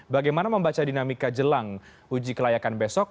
bagaimana membaca dinamika jelang uji kelayakan besok